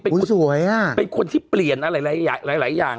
เป็นคนที่เปลี่ยนอะไรหลายอย่าง